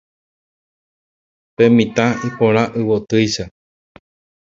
Pe mitã iporã yvotýicha.